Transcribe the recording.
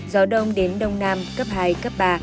gió đông đến đông nam cấp hai cấp ba